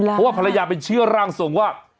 เพราะว่าภรรยาเป็นเชื่อร่างทรงว่า